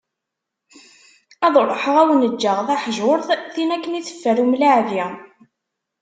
Ad ruḥeγ ad awen-ğğeγ taḥjurt, tin akken i teffer umlaԑbi.